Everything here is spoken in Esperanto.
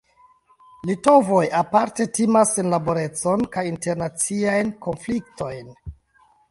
Litovoj aparte timas senlaborecon kaj internaciajn konfliktojn.